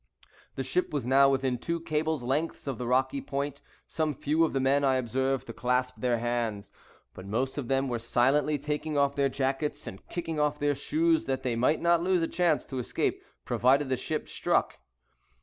The ship was now within two cables' lengths of the rocky point; some few of the men I observed to clasp their hands, but most of them were silently taking off their jackets, and kicking off their shoes, that they might not lose a chance of escape provided the ship struck.